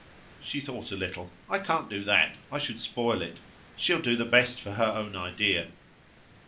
She thought a little. "I can't do that. I should spoil it. She'll do the best for her own idea."